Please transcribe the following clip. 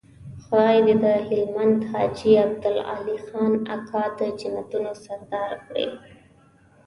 خدای دې د هلمند حاجي عبدالعلي خان اکا د جنتونو سردار کړي.